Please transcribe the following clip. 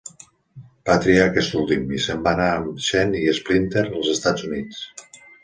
Va triar aquest últim, i se'n va anar amb Shen i Splinter als Estats Units.